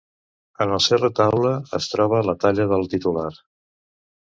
En el seu retaule es troba la talla del titular.